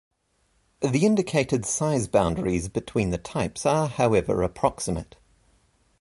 The indicated size boundaries between the types are, however, approximate.